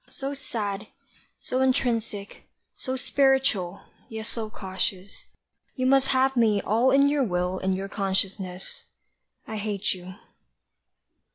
so sad, so intrinsic, so spiritual, yet so cautious, you Must have me all in your will and your consciousness I hate you.